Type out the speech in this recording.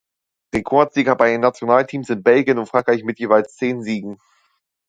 Rekordsieger bei den Nationalteams sind Belgien und Frankreich mit jeweils zehn Siegen.